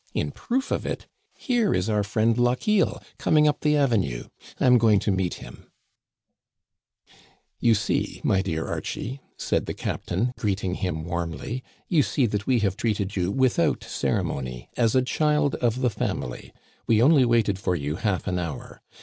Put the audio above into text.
In proof of it, here is our friend Lochiel coming up the avenue. I am going to meet him "" You see, my dear Archie," said the captain, greet ing him warmly, "you see that we have treated you without ceremony, as a child of the family. We only waited for you half an hour.